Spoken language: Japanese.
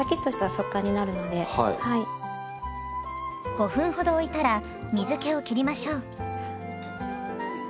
５分ほどおいたら水けをきりましょう。